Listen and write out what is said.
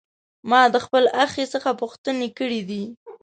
ما د خپل اخښي څخه پوښتنې کړې دي.